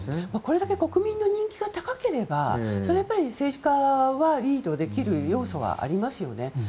これだけ国民の人気が高ければ政治家はリードできますよね。